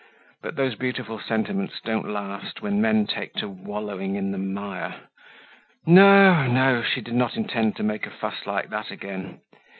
But those beautiful sentiments don't last when men take to wallowing in the mire. No, no; she did not intend to make a fuss like that again.